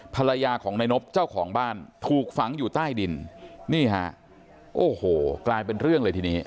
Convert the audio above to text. ภรรยาของนายนบเจ้าของบ้านถูกฝังอยู่ใต้ดินนี่ฮะโอ้โหกลายเป็นเรื่องเลยทีนี้